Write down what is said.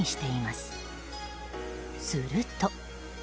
すると。